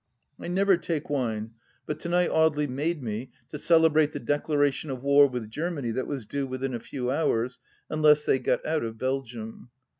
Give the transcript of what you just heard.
I never take wine, but to night Audely made me, to celebrate the Declaration of War with Germany that was due within a few hours, unless they got out of Belgium.